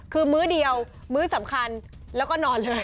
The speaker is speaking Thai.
คือมื้อเดียวมื้อสำคัญแล้วก็นอนเลย